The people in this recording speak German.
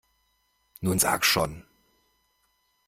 Nun sag schon!